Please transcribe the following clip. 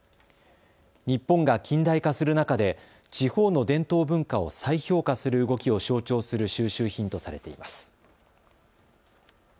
日本が近代化する中で地方の伝統文化を再評価する動きを象徴する収集品とされています。